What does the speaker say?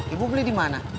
ibu beli di mana